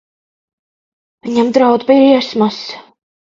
Viņam draud briesmas.